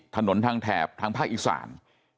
ถนนทางแถบทางภาคอีสาน